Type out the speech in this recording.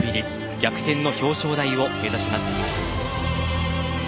逆転の表彰台を目指します。